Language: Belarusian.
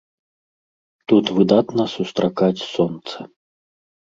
Тут выдатна сустракаць сонца.